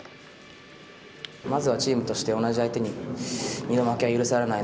まずはチームとして、同じ相手に二度負けは許されない。